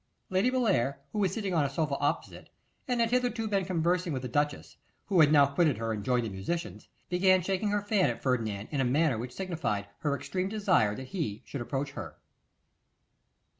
Lady Bellair, who was sitting on a sofa opposite, and had hitherto been conversing with the duchess, who had now quitted her and joined the musicians, began shaking her fan at Ferdinand in a manner which signified her extreme desire that he should approach her.